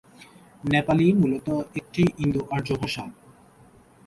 নেপালী মূলত একটি ইন্দো-আর্য ভাষা।